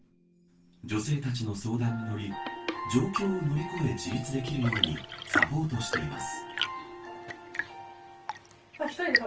女性たちの相談に乗り状況を乗り越え自立できるようにサポートしています。